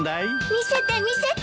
見せて見せて。